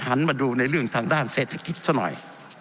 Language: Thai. หันมาดูเรื่องทางด้านเศรษฐศกิจก็หน่อย